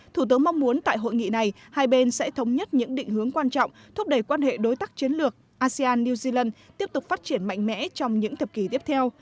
thủ tướng mong muốn tại hội nghị này hai bên sẽ thống nhất những định hướng quan trọng thúc đẩy quan hệ đối tác chiến lược asean new zealand tiếp tục phát triển mạnh mẽ trong những thập kỷ tiếp theo